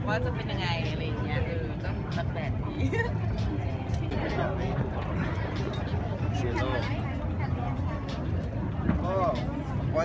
แต่โดมไม้เขารังอาหารอะไรอย่างนี้ผมไม่เคยครับ